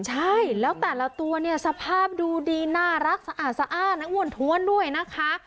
ใช่แล้วแต่ละตัวสภาพดูดีน่ารักสะอาดและอ่วนท้วนด้วยนะคะ